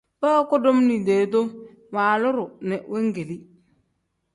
Bu kudum liidee-duu waaluru ne weegeeli.